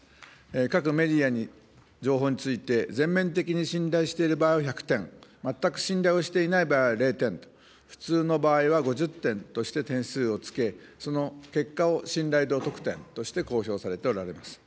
各メディアに情報について、全面的に信頼している場合を１００点、全く信頼をしていない場合は０点、普通の場合は５０点として点数をつけ、その結果を信頼度得点として公表されておられます。